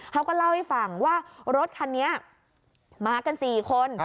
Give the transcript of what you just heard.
เขาก็เล่าให้ฟังว่ารถคันนี้มากัน๔คน